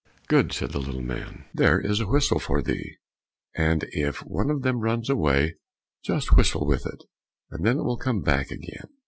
"Good," said the little man, "there is a whistle for thee, and if one of them runs away, just whistle with it, and then it will come back again."